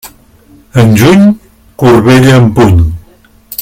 En juny, corbella en puny.